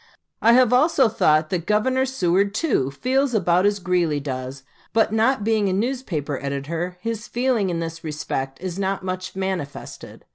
I have also thought that Governor Seward, too, feels about as Greeley does; but not being a newspaper editor, his feeling in this respect is not much manifested.